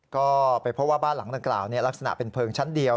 ก็ไปพบว่าบ้านหลังดังกล่าวลักษณะเป็นเพลิงชั้นเดียว